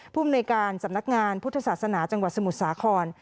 ภูมิในการสำนักงานพุทธศาสนาจังหวัดสมุทรสาคร